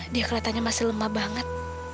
dia kelihatannya masih lemah banget